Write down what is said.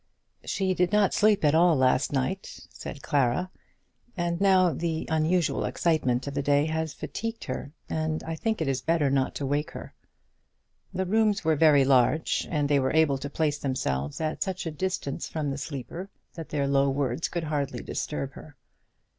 "She did not sleep at all last night," said Clara; "and now the unusual excitement of the day has fatigued her, and I think it is better not to wake her." The rooms were large, and they were able to place themselves at such a distance from the sleeper that their low words could hardly disturb her.